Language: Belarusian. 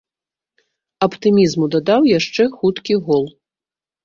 Аптымізму дадаў яшчэ хуткі гол.